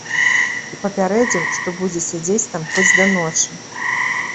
І папярэдзіў, што будзе сядзець там хоць да ночы.